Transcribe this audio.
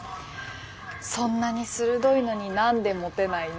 そんなに鋭いのに何でモテないの？